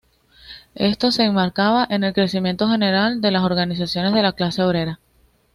Esto se enmarcaba en el crecimiento general de las organizaciones de la clase obrera.